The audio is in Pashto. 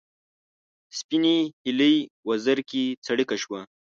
سپینې هیلۍ وزر کې څړیکه شوه